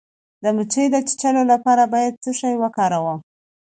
د مچۍ د چیچلو لپاره باید څه شی وکاروم؟